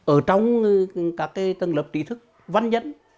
ở trong các tầng lập trí thức văn nhân